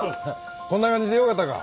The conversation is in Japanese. こんな感じでよかったか？